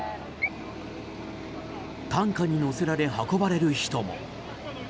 担架に乗せられ運ばれる人も。